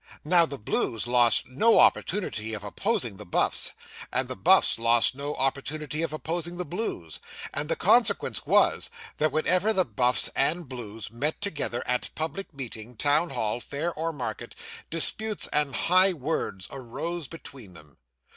Now the Blues lost no opportunity of opposing the Buffs, and the Buffs lost no opportunity of opposing the Blues; and the consequence was, that whenever the Buffs and Blues met together at public meeting, town hall, fair, or market, disputes and high words arose between them.